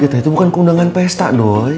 gita itu bukan keundangan pesta doi